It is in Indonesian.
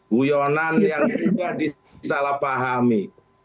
guyonan yang tidak disalahpahami